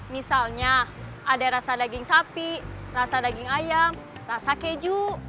misalnya ada rasa daging sapi rasa daging ayam rasa keju